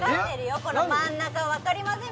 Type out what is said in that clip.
この真ん中わかりません？